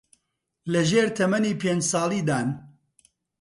لەژێر تەمەنی پێنج ساڵیدان